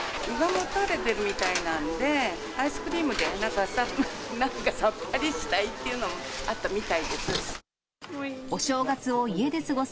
胃がもたれてるみたいなんで、アイスクリームで、なんかさっぱりしたいっていうのもあったみたいです。